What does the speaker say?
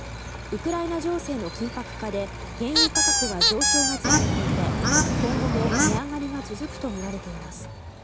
ウクライナ情勢の緊迫化で原油価格は上昇が続いていて今後も値上がりが続くとみられています。